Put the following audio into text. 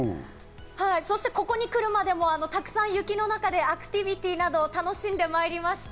そしてここに来るまでも、たくさん雪の中でアクティビティなどを楽しんでまいりました。